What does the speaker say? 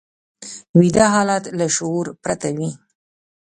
ویده حالت له شعور پرته وي